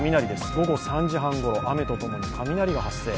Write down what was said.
午後３時半ごろ雨と共に雷が発生。